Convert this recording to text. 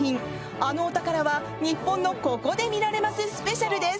あのお宝は日本のここで見られますＳＰです。